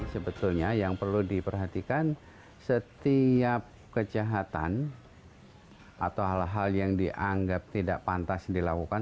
sebetulnya yang perlu diperhatikan setiap kejahatan atau hal hal yang dianggap tidak pantas dilakukan